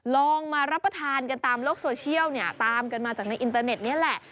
ลองมารับประทานกันตามโลกโซเชียลเนี่ยตามกันมาจากในอินเตอร์เน็ตนี้แหละ